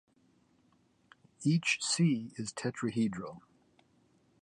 Each Si is tetrahedral.